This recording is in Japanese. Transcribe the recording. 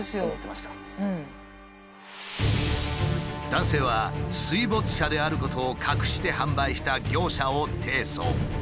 男性は水没車であることを隠して販売した業者を提訴。